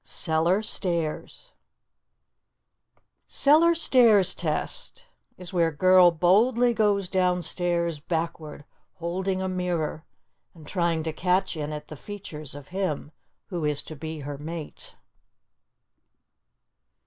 CELLAR STAIRS Cellar stairs' test is where girl boldly goes downstairs backward, holding a mirror, and trying to catch in it the features of him who is to be her mate.